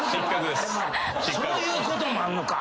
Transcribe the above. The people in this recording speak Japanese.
そういうこともあんのか。